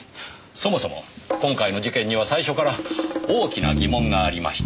そもそも今回の事件には最初から大きな疑問がありました。